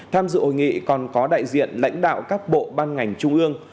tham dự hội nghị còn có đại diện lãnh đạo các bộ ban ngành trung ương